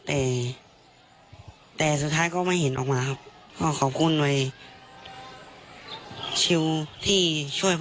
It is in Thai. แต่แต่สุดท้ายก็ไม่เห็นออกมาครับก็ขอบคุณหน่วยซิลที่ช่วยพ่อ